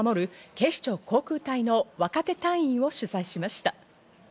警視庁航空隊の若手隊員を取材しました。